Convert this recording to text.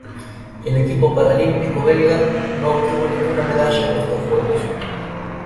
El equipo paralímpico belga no obtuvo ninguna medalla en estos Juegos.